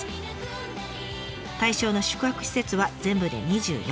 対象の宿泊施設は全部で２４。